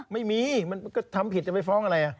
มันก็ทำผิดจะไปฟ้องอะไร